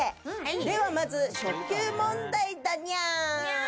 では、まず初級問題だニャン。